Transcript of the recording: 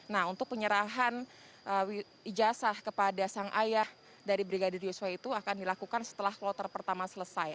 nah untuk penyerahan ijazah kepada sang ayah dari brigadir yosua itu akan dilakukan setelah kloter pertama selesai